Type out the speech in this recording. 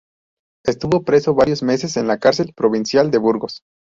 Estuvo preso varios meses en la cárcel provincial de Burgos.